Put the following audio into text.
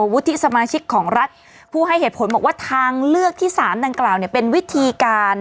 วุฒิสมาชิกของรัฐผู้ให้เหตุผลบอกว่าทางเลือกที่สามดังกล่าวเนี่ยเป็นวิธีการ